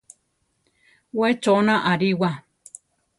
We chona ariwa.